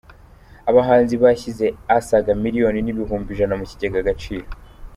Abahanzi bashyize asaga miliyoni n’ibihumbi ijana mukigega agaciro